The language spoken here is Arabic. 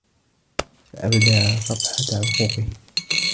فَأَبْدَى صَفْحَةَ عُقُوقِهِ